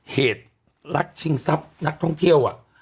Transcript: เหตุลักชิงทรัพย์นักท่องเที่ยว